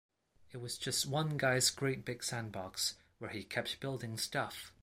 It was just one guy's great big sandbox, where he kept building stuff.